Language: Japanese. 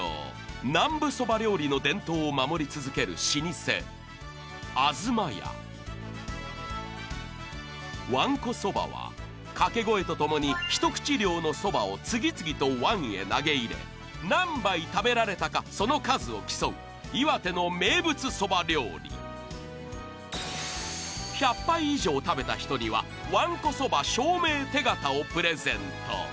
南部そば料理の伝統を守り続ける老舗東家わんこそばは掛け声とともに一口量のそばを次々と椀へ投げ入れ何杯食べられたかその数を競う岩手の名物そば料理１００杯以上食べた人にはわんこそば証明手形をプレゼント